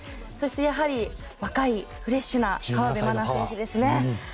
そしてやはり若いフレッシュな河辺愛菜選手ですね。